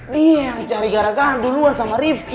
dia yang cari gara gara duluan sama rifki